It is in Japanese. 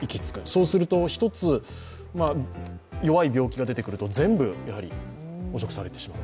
そうすると１つ、弱い病気が出てくると全部、汚職されてしまう。